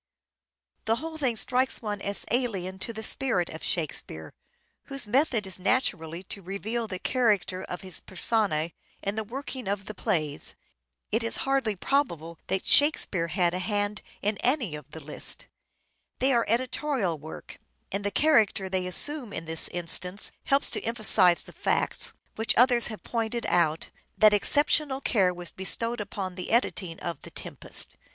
The whole thing strikes one as alien to the spirit of " Shakespeare," whose method is naturally to reveal the character of his personae in the working of the plays. It is hardly probable that "Shakespeare" had a hand in any of the lists : they are editorial work ; and 'THE TEMPEST'1 515 the character they assume in this instance helps to emphasize the fact, which others have pointed out, that exceptional care was bestowed upon the editing of " The Tempest."